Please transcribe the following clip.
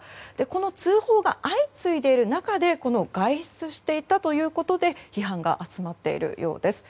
この通報が相次いでいる中で外出していたということで批判が集まっているようです。